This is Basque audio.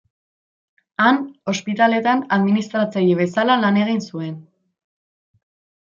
Han ospitaletan administratzaile bezala lan egin zuen.